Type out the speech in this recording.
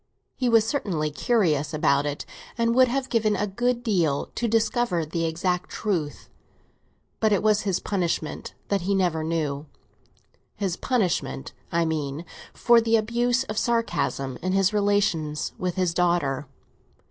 He was certainly curious about it, and would have given a good deal to discover the exact truth; but it was his punishment that he never knew—his punishment, I mean, for the abuse of sarcasm in his relations with his daughter.